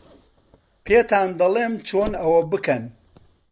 پێتان دەڵێم چۆن ئەوە بکەن.